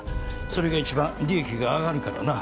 それが一番利益が上がるからな。